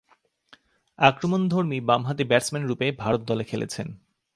আক্রমণধর্মী বামহাতি ব্যাটসম্যানরূপে ভারত দলে খেলেছেন।